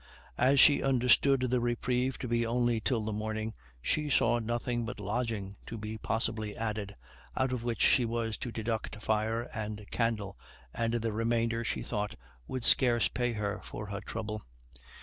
As she understood the reprieve to be only till the morning, she saw nothing but lodging to be possibly added, out of which she was to deduct fire and candle, and the remainder, she thought, would scarce pay her for her trouble.